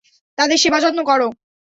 তাদের সেবাযত্ন কর।